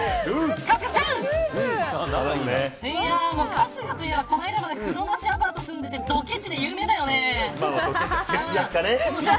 春日といえばこの間まで風呂なしアパートに住んでいてどけちで有名だよね。